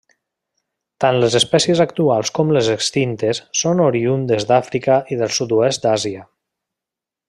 Tant les espècies actuals com les extintes són oriündes d'Àfrica i el sud-oest d'Àsia.